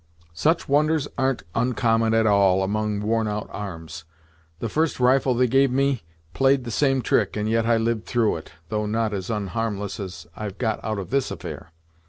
"Such wonders ar'n't oncommon, at all, among worn out arms. The first rifle they gave me play'd the same trick, and yet I liv'd through it, though not as onharmless as I've got out of this affair.